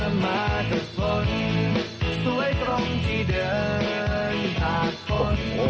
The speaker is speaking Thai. เธอมาเผ็ดฝนสวยตรงที่เดินผ่ากฝน